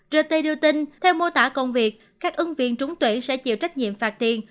rt đưa tin theo mô tả công việc các ứng viên trúng tuyển sẽ chịu trách nhiệm phạt tiền